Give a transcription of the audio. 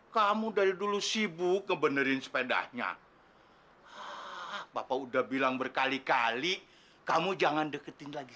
kamu dari dulu sibuk ngebenerin sepedanya bapak udah bilang berkali kali kamu jangan deketin lagi